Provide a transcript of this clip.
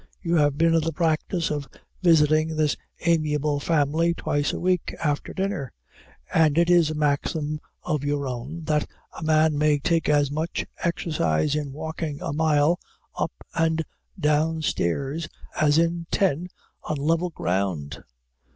You have been in the practice of visiting this amiable family twice a week, after dinner, and it is a maxim of your own, that "a man may take as much exercise in walking a mile, up and down stairs, as in ten on level ground."